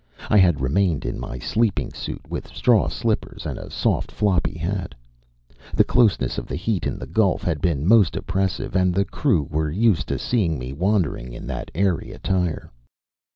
I had remained in my sleeping suit, with straw slippers and a soft floppy hat. The closeness of the heat in the gulf had been most oppressive, and the crew were used to seeing me wandering in that airy attire.